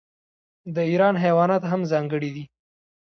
د ایران حیوانات هم ځانګړي دي.